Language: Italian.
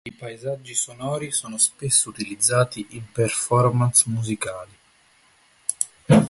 I paesaggi sonori sono spesso utilizzati in performance musicali.